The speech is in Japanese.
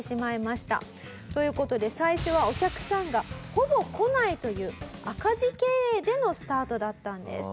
という事で最初はお客さんがほぼ来ないという赤字経営でのスタートだったんです。